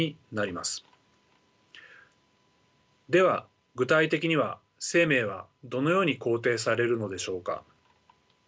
では具体的には生命はどのように肯定されるのでしょうか。